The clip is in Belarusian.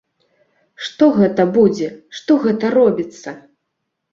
Што гэта будзе, што гэта робіцца?